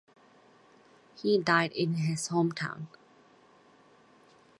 He died in his hometown.